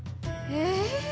え。